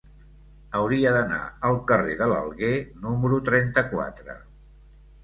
Hauria d'anar al carrer de l'Alguer número trenta-quatre.